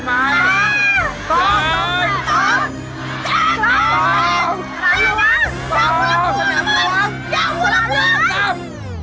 พรจะเอาหัวละครัวละมั้ยสามสาม